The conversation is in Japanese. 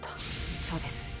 そうです。